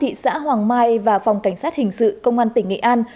thị xã hoàng mai và phòng cảnh sát hình sự công an tỉnh nghệ an